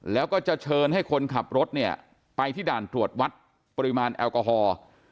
แล้วก็จะเชิญให้คนขับรถเนี่ยไปที่ด่านตรวจวัดปริมาณแอลกอฮอล์